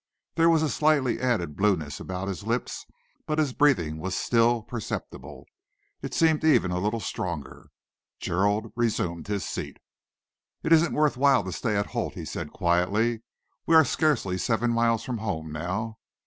There was a slightly added blueness about the lips but his breathing was still perceptible. It seemed even a little stronger. Gerald resumed his seat. "It isn't worth while to stay at Holt," he said quietly. "We are scarcely seven miles from home now.